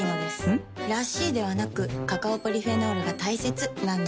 ん？らしいではなくカカオポリフェノールが大切なんです。